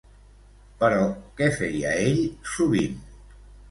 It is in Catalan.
Però què feia ell sovint?